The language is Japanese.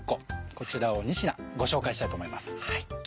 こちらを２品ご紹介したいと思います。